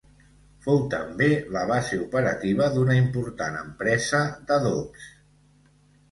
Fou també la base operativa d'una important empresa d'adobs.